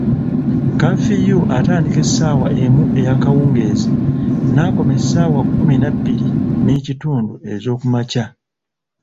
Kaafiyu atandika essaawa emu eyakawungeezi n'akoma essaawa kkumi na bbiri n'ekitundu ezookumakya.